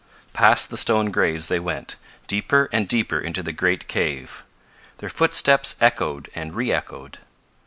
Past the stone graves they went, deeper and deeper into the great cave. Their footsteps echoed and re echoed.